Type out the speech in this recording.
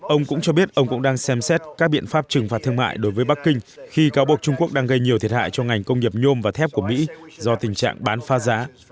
ông cũng cho biết ông cũng đang xem xét các biện pháp trừng phạt thương mại đối với bắc kinh khi cáo buộc trung quốc đang gây nhiều thiệt hại cho ngành công nghiệp nhôm và thép của mỹ do tình trạng bán phá giá